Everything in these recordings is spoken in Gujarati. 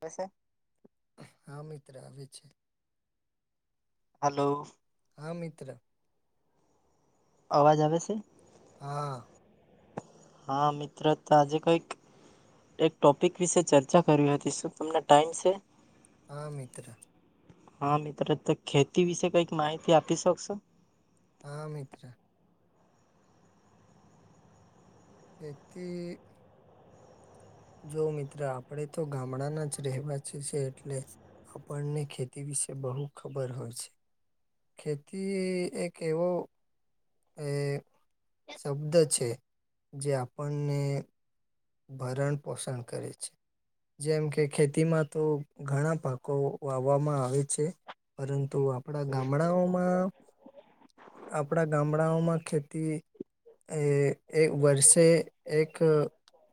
કવસ હા મિત્ર આવે છે. હલો હા મિત્ર અવાજ આવે છે. હા હા મિત્ર તો આજે કઈક એક ટોપિક વિશે ચર્ચા કરી હતી શું તમને ટાઈમ છે આ મિત્ર હા મિત્રો તો ખેતી વિશે કઈક માહિતી આપી શકશો હા મિતિત્ર એકથી જો મિત્ર આપણેે તો ગામડાના જ રહેવાસી છે એટલે. આપણને ખેતી વિશે બહુ ખબર હોય છે. ખેતી એક એવો એ શબ્દ છે જે આપણને ભરણ પોષણ કરે છે જેમ કે ખેતીમાં તો ઘણા પાકો વાવવામાં આવે છે. પરંતુ આપણા ગામડાઓમાં આપડા ગામડાઓમાં ખેતી એ એક વર્ષે એક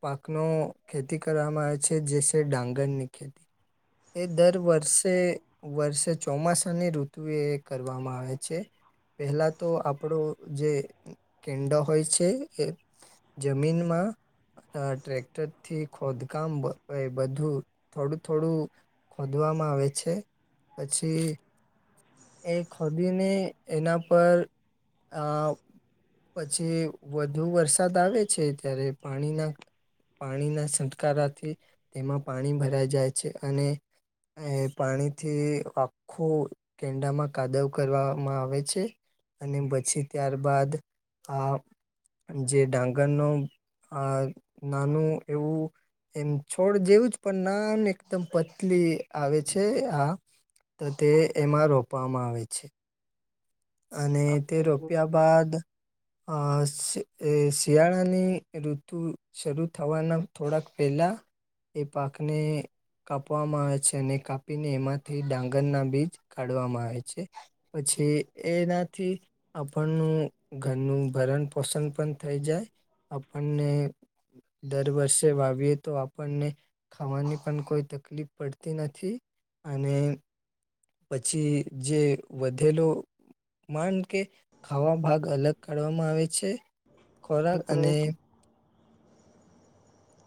પાકનો ખેતી કરવામાં આવે છે જે છે ડાંગરની ખેતી એ દર વર્ષે વર્ષે ચોમાસાની ઋતુ એ કરવામાં આવે છે. પેલા તો આપણો જે કેન્ડો હોય છે એ જમીનમાં ટ્રેક્ટરથી ખોદકામ બધું થોડું થોડું ખોદવામાં આવે છે પછી એ ખોદીને એના પર આ પછી વધુ વરસાદ આવે છે ત્યારે પાણીના પાણીના છટકારાથી તેમાં પાણી ભરાઈ જાય છે અને એ પાણીથી આ આખો કેંડામાં કાદવ કરવામાં આવે છે. અને પછી ત્યાર બાાદ આ જે ડાંગરનો આ નાનું એવું એમ છોડ જેવું જ પણ નામ એકદમ પતલી આવે છે આ તો તે એમાં રોપવામાં આવે છે. અને તે આપણે જોયું રોપ્યા કે બાદ [inaudible] અ શિયાળાની ઋતુ શરૂ થવાના થોડાક પહેલાં એ પાકને કાપવામાં આવે છે અને કાપીને એમાંથી ડાંગર ના બીજ કાઢવામાં આવે છે. પછી એનાથી આપણનું ઘરનું ભરણ પોષણ પણ થઈ જાય. આપણને દર વર્ષે વાવીએ તો આપણને ખાવાની પણ કોઈ તકલીફ પડતી નથી અને પછી જે વધેલો ન કે ખાવા ભાગ અલગ કાઢવામાં આવે છે ખોરાક મિત્ર અને એક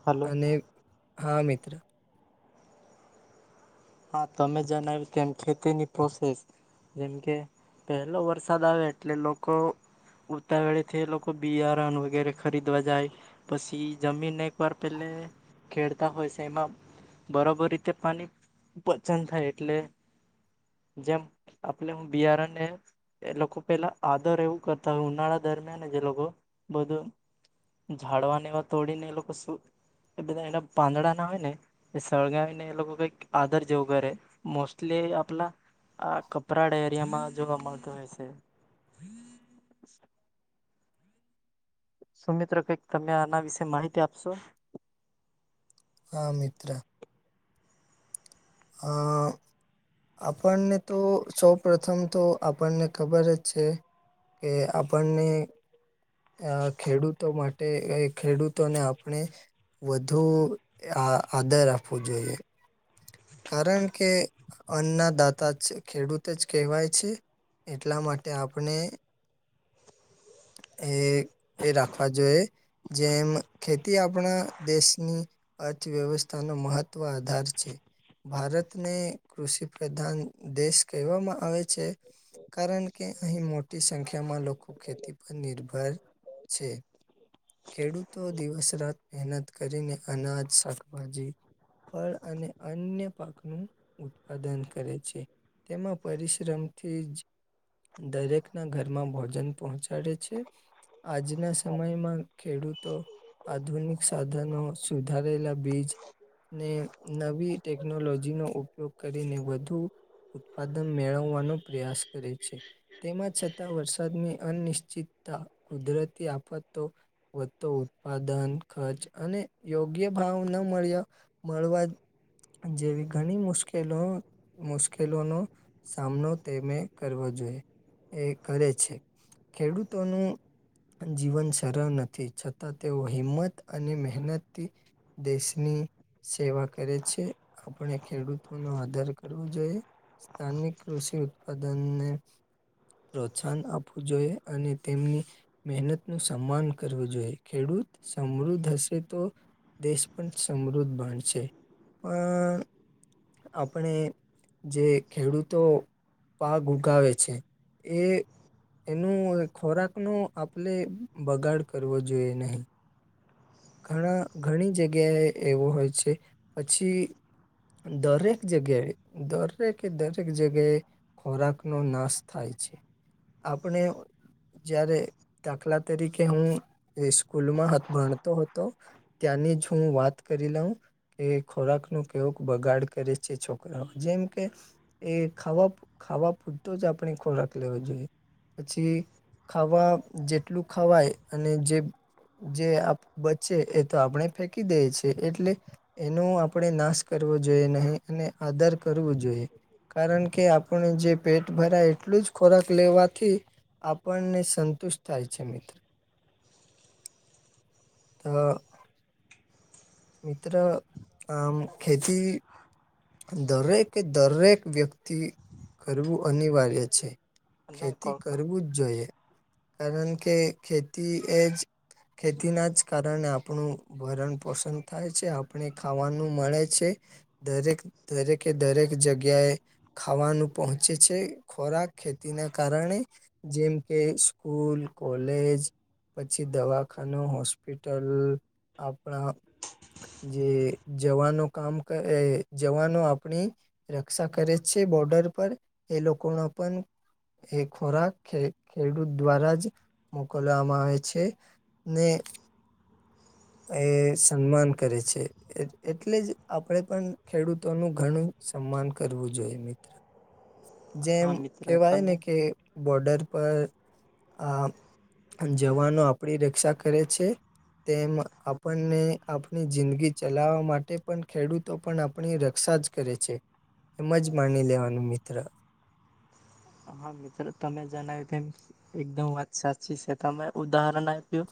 હલો અને હા મિત્ર હા તમે જણાવ્યું તેમમ ખેતીની પ્રોસેસ જેમ કે પહેલો વરસાદ આવે એટલે લોકો ઉતાવળેથી એ લોકો બિયારણ વગેરે ખરીદવા જાય. પછી જમીન એક વાર પેલે ખેડતા હોય છે એમાં બરાબર રીતે પાણી પચન થાય એટલે જેમ આપલે બિયારણને એ લોકો પેલા આદર એવું કરતા હોય ઉનાળા દરમિયાન જે લોકો બધું ઝાડવાને એવા તોડી ને એ લોકો શું એ બધા એના પાંદડા ના હોય ને એ સળગાને એ લોકો કઈક આદર જેવગરે મોસ્ટલી આપલા આ કપરાડા એરિયામાં જોવા મળતું હોય છે. સુમિત્ર કંઈક તમે આના વિશે માહિતી આપશો. હા મિત્ર. અ આપણને તો સૌ પ્રથમ તો આપણને ખબર જ છે. કે આપણને ખેડૂતો માટે ખેડૂતોને આપણે વધુ આ આદર આપવો જોઈએ. કારણ કે અન્ના દાતા જ ખેડૂત જ કહેવાય છે. એટલા માટે આપણે [inaudible] એ એ રાખવા જોઈએ જેમ ખેતી આપણા દેશની અર્થવ્યવસ્થાનો મહત્વ આધાર છે. ભારતને કૃષિ પ્રધાન દેશ કહેવામાં આવે છે. કારણ કે અહીં મોટી સંખ્યામાં લોકો ખેતી પર નિર્ભર છે. ખેડૂતો દિવસ રાત મહેનત કરીને અનાજ શાકભાજી ફળ અને અન્ય પાકનું ઉત્પાદન કરે છે તેમાં પરિશ્રમથી જ દરેક ના ઘરમાં ભોજન પહોંચાડે છે. આજના સમયમાં ખેડૂતો આધુનિક સાધનો સુધારેલા બીજને ન ટેકનોલોજી નો ઉપયોગ કરીને વધુ ઉત્પાદન મેળવવાનો પ્રયાસ કરે છે તેમાં છતાં વરસાદની અનિશ્ચિતતા કુદરતી આફતો વધતો ઉત્પાદન ખર્ચ અને યોગ્ય ભાવ ન મળ્યો મળવા જેવી ઘણી મુશ્કેલો મુશ્કેલોનો સામનો તેને કરવો જોઈએ એ કરે છે ખેડૂતોનું જીવન સરળ નથી છતાં તેઓ હિંમત અને મહેનતથી દસની સેવાક કરે છે આપણે ખેડૂતો નો આધાર કરવો જોઈએ સ્થાનિક કૃષિ ઉત્પાદનને પ્રોત્સાહન આપવું જોઈએ અને તેમની મહેનત નું સન્માન કરવું જોઈએ ખેડૂત સમૃદ્ધ હશે તો દેશ પણ સમૃદ્ધ બણશે પણ આપણે જે ખેડૂતો પાક ઉગાવે છે એ એનું ખોરાકનોો આપણે બગાડ કરવો જોઈએ નહી ઘણા ઘણી જગ્યાએ એવો હોય છે પછી દરેક જગ્યાએ દરેક કે દરેક જગ્યા ખોરાકનોો નાશ થાય છે આપણે જયારે દાખલા તરીકે હું સ્કૂલમાં ભણતો હતો ત્યાંની જ હું વાત કરી લઉં એ ખોરાક ન કેવોક બગાડ કરે છે છોકરાઓ જેમ કે એ ખાવા ખાવા પૂરતો જ આપણે ખોરાક લેવો જોઈએ પછી ખાવા જેટલું ખવાય અને જે બચે એ તો આપણે ફેંકી દે છેએ એટલે એનો આપણે નાશ કરવો જોઈએ નહીં અને આદર કરવો જોઈએ કારણ કે આપણે જે પેટ ભરાય એટલું જ ખોરાક લેવાથી આપણને સંતુષ્ટ થાય છે મિત્ર તો મિત્ર આમ ખેતી દરેકે દરેક વ્યક્તિ કરવું અનિવાર્ય છે ખેતી કરવું જ જોઈએ કારણ કે ખેતી એજ ખેતીના જ કારણે આપણું ભરણ પોષણ થાય છે આપણે ખાવાનું મળે છે દરેક દરેકે દરેક જગ્યાએ ખાવાનું પહોંચે છે ખોરાક ખેતી ના કારણે જેમ કે સ્કૂલ કોલેજ પછી દવાખાનું હોસ્પિટલ આપણા જે જવાનું કામ કરે જવાનો આપણી રક્ષા કરે છે બોર્ડર પર એ લોકોનો પણ એ ખોરાક ખેડૂત દ્વારા જ મોકલવામાં આવે છે ને એ સન્માન કરે છે એટલે જ આપણેે પણ ખેડૂતોનું ઘણું સન્માન કરવું જોઈએ મિત્ર જેમ હા મિત્ર કેહેવાય તમે ને કે બોર્ડર પર આ જવાનો આપણી રક્ષા કરે છે તેમ આપણને આપણી જિંદગી ચલાવવા માટે પણ ખેડૂતો પણ આપણી રક્ષા જ કરે છે એમ જ માની લેવાનું મિત્ર. હા મિત્રો તમે જણાવ્યું તેમ. એકદમ વાત સાચી છે તમે ઉદાહરણ આપ્યું.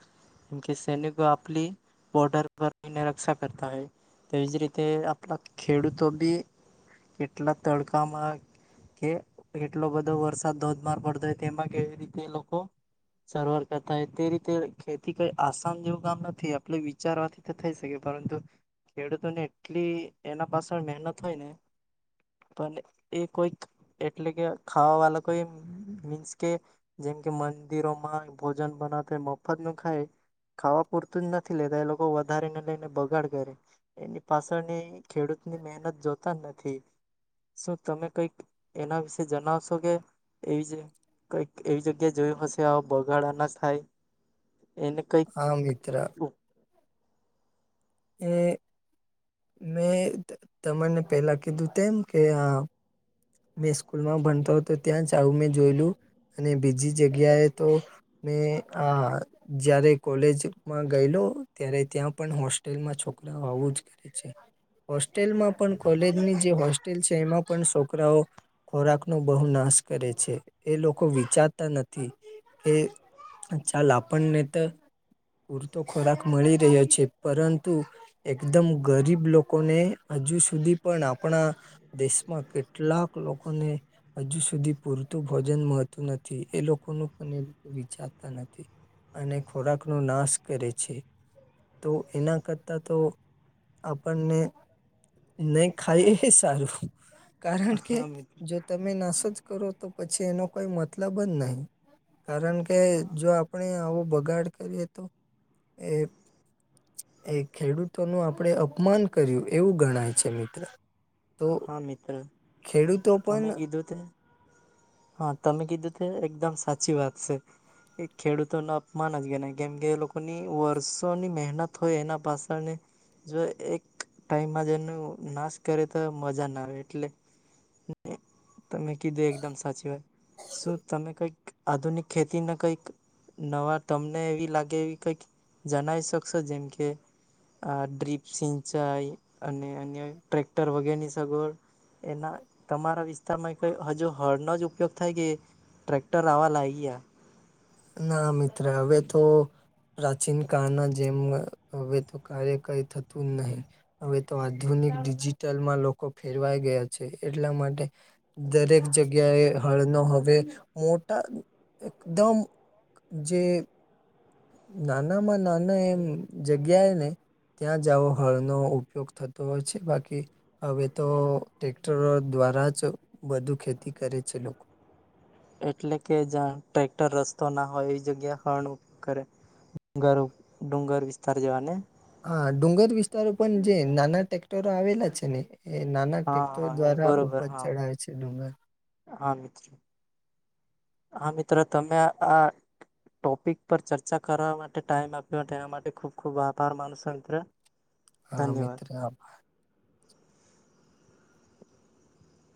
જેમ કે સૈનિક આપલી બોર્ડર પર નિ રક્ષા કરતા હૈ. તેવી જ રીતે આપલા ખેડૂતો બી. કેટલા તડકામાં કે એટલો બધો. ો વરસાદ ધોધમાર પડતો હોય તેમાં કેવી રીતે લોકો. સારવાર કરતા તે રીતે ખેતી કઈ આસાન જેવું કામ નથી આપણે વિચારવાથી. થઈ શકે પરંતુ ખેડૂતોને એટલી એના પાછળ મહેનત હોય ને. પણ એ કોઈક એટલે કે ખાવા વાળ કોઈ મીન્સ કે. જેમ કે મંદિરોમાં ભોજન બનાવતા મફત ન ખાય. ખાવા પૂરતું જ નથી લેતા એ લોકો વધારે ને લઈને બગાડ કરે. એની પાછળની ખેડૂત ની મહેનત જોતા જ નથી. શું તમે કઈક એના વિશે જણાવ. ો કે એવી જ કઈક એવી જગ્યાએ જોયું હશે બગાડા ના થાય. એને કોઈ. આ મિિત્ર. એ [unintelligible] મેં તમાને પેલા કીધું તેમ કે આ. મેં સ્કૂલમાં ભણતો હતો ત્યાં જ આવું મેં જોયેલું અને બીજી જગ્યાએ તો. મે હા. જયારે કોલેજમાં ગયેલો ત્યારે ત્યાં પણ હોસ્ટેલમાં છોકરા આવું જ. હોસ્ટેલમાં પણ કોલેજની જે હોસ્ટેલ છે એમાં પણ છોકરાઓ. ખોરાકનોો બહુ નાશ કરે છે એ લોકો વિચારતા નથી એ. ચાલ આપણને તો પૂરતો ખોરાક મળી રહ્યો છે પરંતુ. એકદમ ગરીબ લોકોને હજુ સુધી પણ આપણા. દેશમાં કેટલાક લોકોને. હજુ સુધી પૂરતું ભોજન મળતું નથી એ લોકો ન પણ એ લોકો વિચારતા નથી. અને ખોરાક નો નાશ કરે છે. તો એના કરતા તો આપણને. નહી ખાઈ એ સારું કારણ કે. હા મિત્ર જો તમે નાશ જ કરો તો પછી એનો કોઈ મતલબ જ નહીિ. કારણ કે જો આપણે આવો બગાડ કરીએ તો એ. એ ખેડૂતોનું આપણેે અપમાન કર્યું એવું ગણાય છે મિત્ર. તો હા મિત્ર, ખેડૂત. તમે કીધું તે હા તમે કીધું તે એકદમ સાચી વાત છે. એ ખેડૂતો ન અપમાન જ ગણ કેમ કે એ લોકોની વર્ષોની મહેનત હોય એના પાછળને. જો એક ટાઈમમાં જેનો નાશ કરે. મજા ના આવે એટલે. તમે કીધું એકદમ સાચી વાય શું તમે કંઈક આધુનિક ખેતીને કંઈક. નવા તમને એવી લાગે એવી કંઈક જણાવ શકશો જેમ કે. આ ડ્રીપ સિંચાઈ અને અનક. ર વગેર ની સગવડ એના તમારા વિ? તારમાં કઈ હજુ હળનો જ ઉપયોગ થાય કે ટ્રેક્ટર આવવા લાગી્યા. ના મિત્ર હવે તો. પ્રાચીન કાળના જેમ હવે તો ક કઈ થતું જ નહીિ. હવે તો આધુનિક ડિજિટલમાં લોકો ફેરવાઈ ગયા છે એટલા માટે. દરેક જગ્યાએ હળનો હવે મોટા એકદમ. જે? નાના માં નાના એમ જગ્યાએ ને? ત્યાં જઓો હળનોો ઉપયોગ થતો હોય છે બાકી હવે તો ટટેક્ટરો દ્વારા જ બધુ ખેતી કરે છે લોકો એટલે કે જ્યા ટ્રેક્ટર રસ્તો ના હોય એ જગ્યા હણ ઉપયોગ કરે ડુંગર ડુંગર વિસ્તાર જવાને હા ડુંગર વિસ્તારો પણ જે નાના ટટેક્ટરો આવેલા છે ને એ નાના હા ટેક્ટો હા એ દ્વારા બરોબર ઉપજ હા ચડાવે છે ડુંગર. હા મિત્રો હા મિત્રો તમે આ ટોપિક પર ચર્ચા કરવા માટે ટાઈમ આપ્યો માટે તેના માટે ખૂબ ખુબ આભાર માનુ છુ મિત્ર. [inaudible] હા મિત્ર